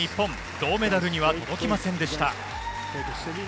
銅メダルには届きませんでした。